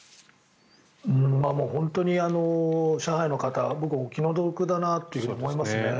本当に上海の方僕、お気の毒だなと思いますね。